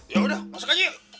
ya udah masuk aja